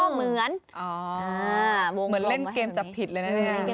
เหมือนเล่นเกมจับผิดเลยนะเนี่ย